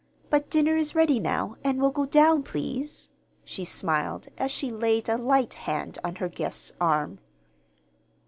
But dinner is ready now, and we'll go down, please," she smiled, as she laid a light hand on her guest's arm.